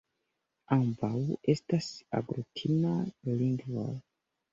Ambaŭ estas aglutinaj lingvoj.